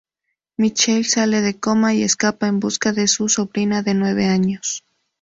Michael sale del coma y escapa en busca de su sobrina de nueve años.